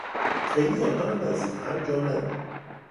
خیلی آنها را نزدیک هم جا نده.